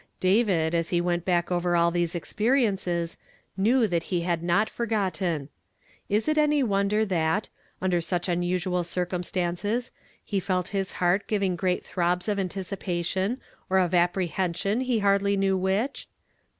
David', as he went back over all these experiences, knew that he had not forgotten. Is it any wonder that, under such unusual circumstajices, he felt his heart givijig great throbs of anticiimtion, or of apprehen sion, he hardly knew which